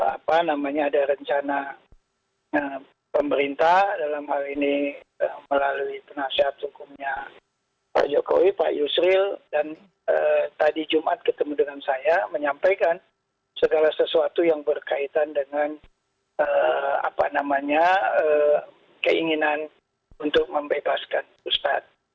apa namanya ada rencana pemerintah dalam hal ini melalui penasihat hukumnya pak jokowi pak yusril dan tadi jumat ketemu dengan saya menyampaikan segala sesuatu yang berkaitan dengan apa namanya keinginan untuk membebaskan ustadz